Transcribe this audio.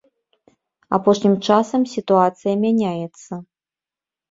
Апошнім часам сітуацыя мяняецца.